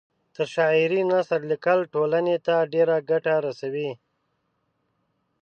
تر شاعرۍ نثر لیکل ټولنۍ ته ډېره ګټه رسوي